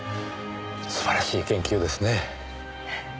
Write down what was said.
素晴らしい研究ですね。